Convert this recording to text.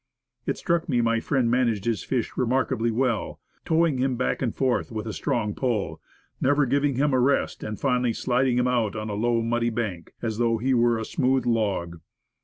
It struck me my friend managed his fish remarkably well, towing him back and forth with a strong pull, never giving him a rest and finally sliding him out on a low muddy bank, as though he were a smooth log.